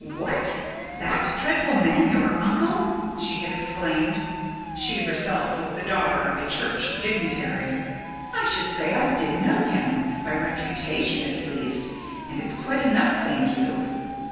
"What? That dreadful man your uncle?" she had exclaimed: she herself was the daughter of a church dignitary. "I should say I did know him by reputation at least. And it's quite enough, thank you."